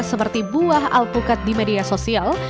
seperti buah alpukat di media sosial